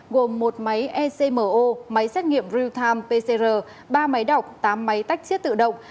gồm một máy ecmo máy xét nghiệm real time pcr ba máy đọc tám máy tách chiết tự động